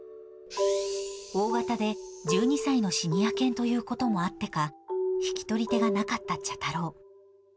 大型で１２歳のシニア犬ということもあってか、引き取り手がなかった茶太郎。